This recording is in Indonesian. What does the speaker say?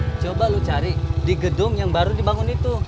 saya coba lu cari di gedung yang baru dibangun itu